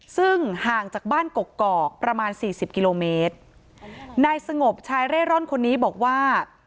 ซึ่งห่างจากบ้านกกอกประมาณสี่สิบกิโลเมตรนายสงบชายเร่ร่อนคนนี้บอกว่า